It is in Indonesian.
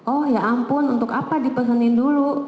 oh ya ampun untuk apa dipesenin dulu